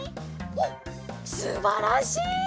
おっすばらしい。